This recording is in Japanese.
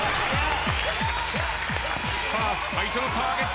さあ最初のターゲット泉さん。